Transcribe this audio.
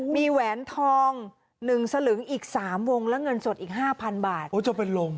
มีแหวนทอง๑สลึงอีก๓วงและเงินสดอีกห้าพันบาทโอ้จนเป็นลม